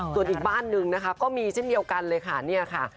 ส่วนอีกบ้านหนึ่งก็มีเฉินเดียวกันเลยค่ะ